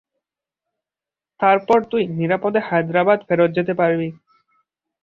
তারপর, তুই নিরাপদে হায়দ্রাবাদে ফেরত যেতে পারবি।